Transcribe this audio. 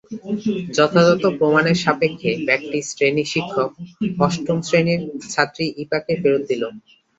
যথাযথ প্রমাণ সাপেক্ষে ব্যাগটি শ্রেণিশিক্ষক অষ্টম শ্রেণীর ছাত্রী ইপাকে ফেরত দিল।